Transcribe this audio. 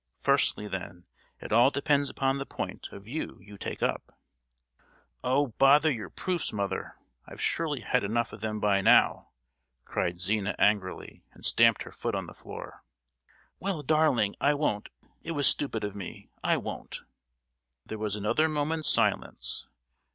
Firstly, then, it all depends upon the point of view you take up——" "Oh! bother your proofs, mother. I've surely had enough of them by now," cried Zina angrily, and stamped her foot on the floor. "Well, darling, I won't; it was stupid of me—I won't!" There was another moment's silence.